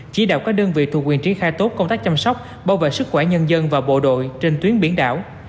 chỉ đạo các đơn vị thuộc quyền triển khai tốt công tác chăm sóc bảo vệ sức khỏe nhân dân và bộ đội trên tuyến biển đảo